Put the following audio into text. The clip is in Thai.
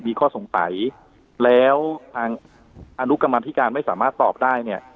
มีข้อสงสัยแล้วทางอนุกรรมธิการไม่สามารถตอบได้เนี่ย